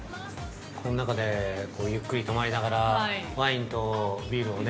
この中でゆっくり泊まりながらワインとビールをね。